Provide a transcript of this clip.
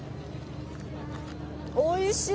おいしい。